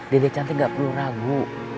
dede cantik gak perlu ragu